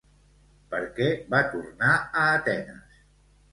Per què va tornar a Atenes?